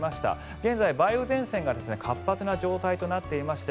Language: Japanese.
現在、梅雨前線が活発な状態となっていまして